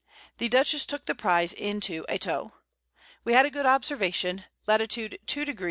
The Dutchess took the Prize into a Tow. We had a good Observation. Lat. 2°. 00´´.